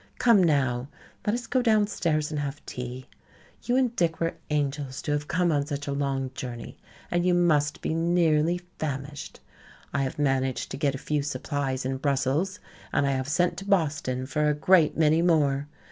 Come now, let us go downstairs and have tea. You and Dick were angels to have come on such a long journey and you must be nearly famished. I have managed to get a few supplies in Brussels and I have sent to Boston for a great many more.